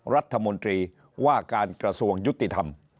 รัฐมนตรีว่าการกระทรวงยุติธรรม